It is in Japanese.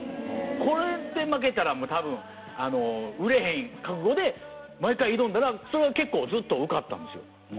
これで負けたらもう多分売れへん覚悟で毎回挑んだらそれは結構ずっと受かったんですよ